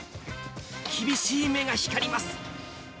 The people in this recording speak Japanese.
厳しい目が光ります。